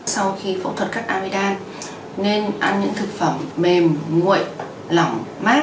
sau khi phẫu thuật cắt amidam nên ăn những thực phẩm mềm nguội lỏng mát